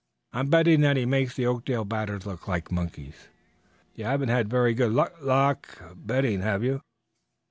I'm betting that he makes the Oakdale batters look like monkeys." "You haven't had very good lul luck betting, have you?"